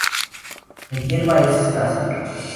La hierba es escasa.